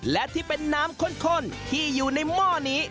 และที่เป็นน้ำข้นที่อยู่ในหม้อนี้